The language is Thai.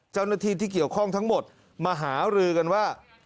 เจ้าหน้าที่ที่เกี่ยวข้องทั้งหมดมาหารือกันว่า